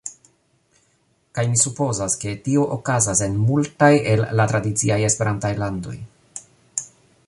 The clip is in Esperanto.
Kaj mi supozas ke tio okazas en multaj el la tradiciaj Esperantaj landoj.